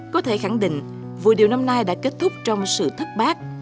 có thể khẳng định vụ điều năm nay đã kết thúc trong sự thất bác